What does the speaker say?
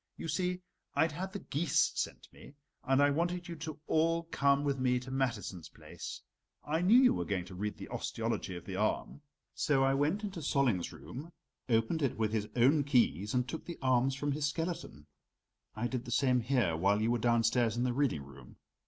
You see, I'd had the geese sent me, and I wanted you to all come with me to Mathiesen's place. I knew you were going to read the osteology of the arm, so I went up into Solling's room, opened it with his own keys and took the arms from his skeleton. I did the same here while you were downstairs in the reading room.